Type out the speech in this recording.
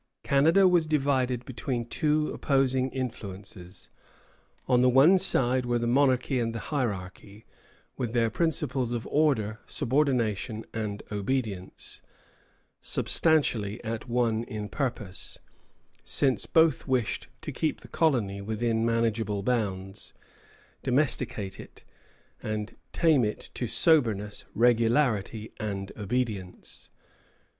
Canada was divided between two opposing influences. On the one side were the monarchy and the hierarchy, with their principles of order, subordination, and obedience; substantially at one in purpose, since both wished to keep the colony within manageable bounds, domesticate it, and tame it to soberness, regularity, and obedience.